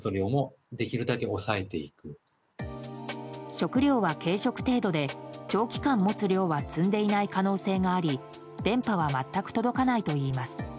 食料は軽食程度で長期間持つ量は積んでいない可能性があり電波は全く届かないといいます。